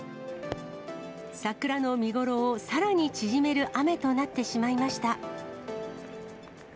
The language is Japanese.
桜の見頃をさらに縮める雨となってしまいました。